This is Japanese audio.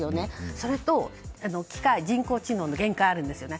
それと機械、人工知能は限界があるんですよね。